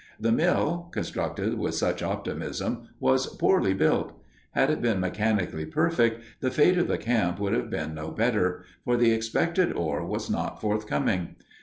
The mill, constructed with such optimism, was poorly built. Had it been mechanically perfect, the fate of the camp would have been no better, for the expected ore was not forthcoming.